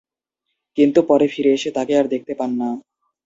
কিন্তু পরে ফিরে এসে তাকে আর দেখতে পান না।